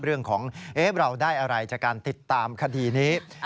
เรื่องของเราได้อะไรจากการติดตามคดีนี้